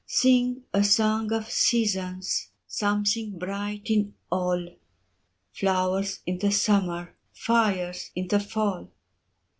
Sing a song of seasons! Something bright in all! Flowers in the summer, Fires in the fall!